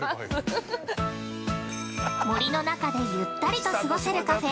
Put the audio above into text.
◆森の中でゆったりと過ごせるカフェ